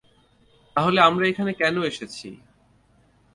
তাহলে আমরা এখানে কেন এসেছি?